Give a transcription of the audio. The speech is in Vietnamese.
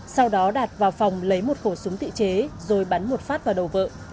sau đó đạt vào phòng lấy một khổ súng tị chế rồi bắn một phát vào đầu vợ